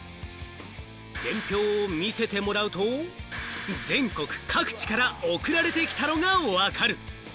伝票を見せてもらうと、全国各地から送られてきたのが分かる。